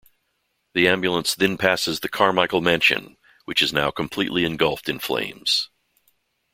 The ambulance then passes the Carmichael mansion, which is now completely engulfed in flames.